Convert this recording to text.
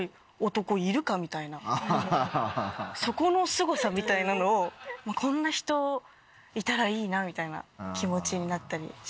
そこのすごさみたいなのを「こんな人いたらいいな」みたいな気持ちになったりします。